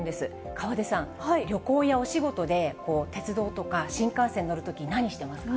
河出さん、旅行やお仕事で、鉄道とか新幹線に乗るときに何してますか？